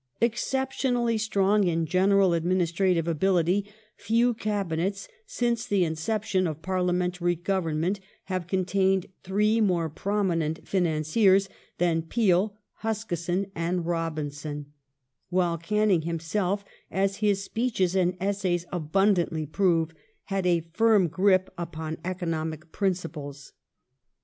Exceptionally strong in general administrative ability few Cabinets, since the inception of parliamentary government, have contained three more eminent financiers than Peel, Huskisson, and Robinson, while Canning himself, as his speeches and essays abund antly prove, had a firm grip upon economic principles.!